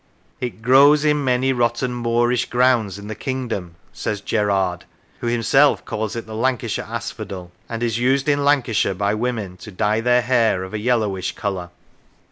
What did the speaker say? " It growes in manie rotten moorish grounds in this Kingdome," says Gerarde, who himself calls it the Lancashire asphodel, " and is used in Lancashire by women to die their haire of a yellowish colour."